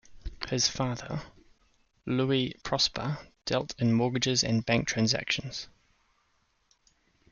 His father, Louis-Prosper, dealt in mortgages and bank transactions.